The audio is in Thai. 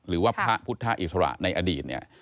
หรือว่าพระพุทธอิสระในอดีตเนี่ย